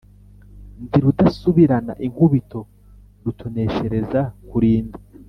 ndi rudasubirana inkubito rutoneshereza kurinda,